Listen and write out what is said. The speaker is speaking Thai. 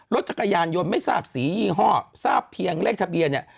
รถจักรยานยนต์ไม่ทราบสียี่ห้อทราบเพียงเลขทะเบียนเนี่ย